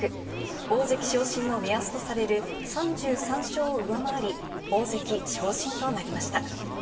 大関昇進の目安とされる３３勝を上回り、大関昇進となりました。